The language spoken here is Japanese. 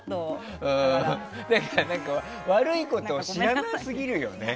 悪いことを知らなすぎるよね。